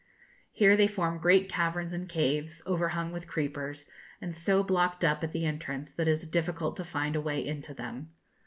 Here they form great caverns and caves, overhung with creepers, and so blocked up at the entrance, that it is difficult to find the way into them.